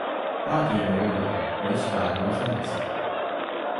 パーティーの料理はおいしくありませんでした。